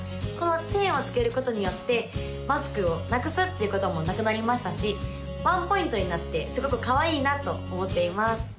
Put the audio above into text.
このチェーンをつけることによってマスクをなくすっていうこともなくなりましたしワンポイントになってすごくかわいいなと思っています